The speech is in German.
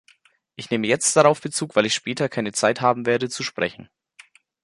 Ich nehme jetzt darauf Bezug, weil ich später keine Zeit haben werde zu sprechen.